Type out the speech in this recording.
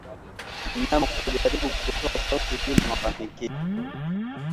Mnyama kujaribu kutoa sauti bila mafanikio